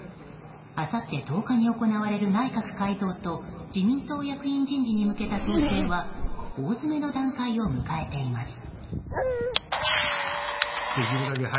あさって１０日に行われる内閣改造と自民党役員人事に向けた調整は大詰めの段階を迎えています。